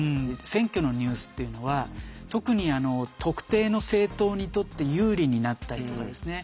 選挙のニュースっていうのは特に特定の政党にとって有利になったりとかですね